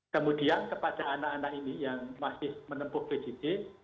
kemudian kepada anak anak ini yang masih menempuh pjj